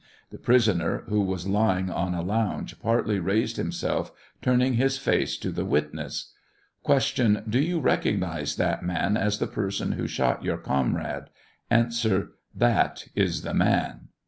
The prisoner, who was lying on a lounge, partly raised himself, turning his face to the witness. Q. Do you recognize that man as the person who shot your comrade ? A. That is the man.